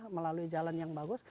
melalui jalan yang bagus